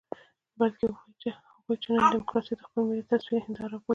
بلکې هغوی چې نن ډيموکراسي د خپل ملي تصوير هنداره بولي.